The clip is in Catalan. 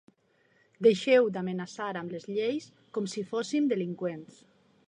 Deixeu d’amenaçar amb les lleis com si fóssim delinqüents.